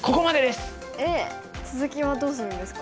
えっ続きはどうするんですか？